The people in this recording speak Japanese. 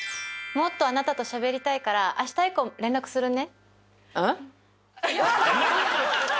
もっとあなたと喋りたいから明日以降も連絡するね。